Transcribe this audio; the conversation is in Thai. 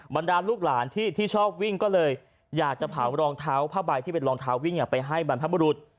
บรรดาลูกหลานที่ชอบวิ่งก็เลยอยากจะเผารองเท้าผ้าใบที่เป็นรองเท้าวิ่งไปให้บรรพบรุษ